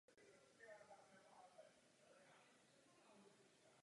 Elementární fluor se používá jako surovina v chemickém průmyslu.